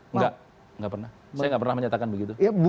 enggak enggak pernah saya nggak pernah menyatakan begitu